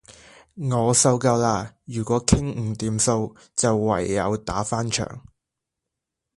我受夠喇！如果傾唔掂數，就唯有打返場